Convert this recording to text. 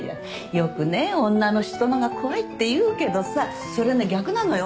よくね女の嫉妬のほうが怖いって言うけどさそれね逆なのよ。